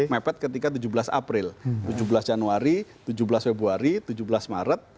mepet ketika tujuh belas april tujuh belas januari tujuh belas februari tujuh belas maret